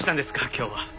今日は。